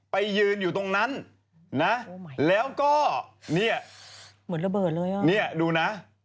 ไปยืนอยู่ตรงนั้น